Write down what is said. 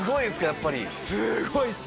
やっぱりすごいっす！